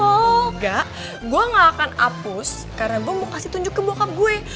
enggak gue gak akan hapus karena gue mau kasih tunjuk ke bokap gue